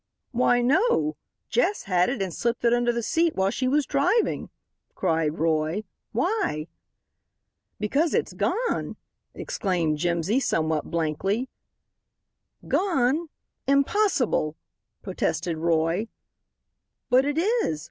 "Why, no. Jess had it and slipped it under the seat while she was driving," cried Roy. "Why?" "Because it's gone!" exclaimed Jimsy, somewhat blankly. "Gone! Impossible!" protested Roy. "But it is.